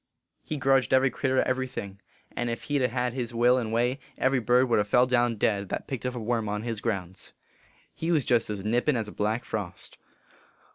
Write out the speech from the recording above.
He grudged every critter every thing ; and if he d ha hed his will and way, every bird would ha fell down dead that picked up a worm on his grounds. He was jest as nippin as a black frost.